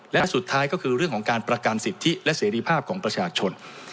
และสุดท้ายก็คือเรื่องของการประกันสิทธิและเสรีภาพของประชาชน